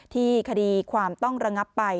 คดีความต้องระงับไป